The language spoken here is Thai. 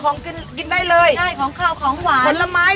ของกินกินได้เลยใช่ของขาวของหวานผลไม้